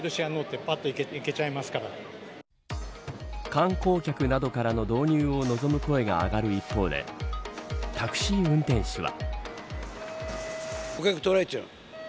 観光客などからの導入を望む声が上がる一方でタクシー運転手は。